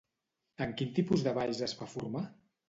En quin tipus de balls es va formar?